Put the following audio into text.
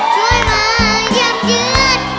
ช่วยมาเยี่ยมเยือน